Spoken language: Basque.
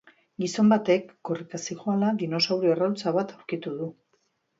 Gizon batek, korrika zihoala, dinosaurio arrautza bat aurkitu du.